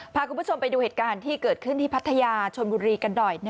พาคุณผู้ชมไปดูเหตุการณ์ที่เกิดขึ้นที่พัทยาชนบุรีกันหน่อย